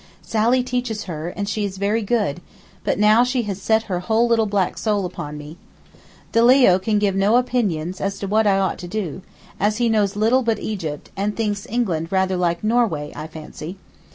Sally teaches her, and she is very good; but now she has set her whole little black soul upon me. De Leo can give no opinion as to what I ought to do, as he knows little but Egypt, and thinks England rather like Norway, I fancy.